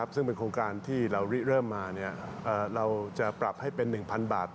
ซึ่งเป็นโครงการที่เราเริ่มมาเราจะปรับให้เป็น๑๐๐๐บาท